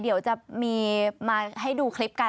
เดี๋ยวจะมีมาให้ดูคลิปกัน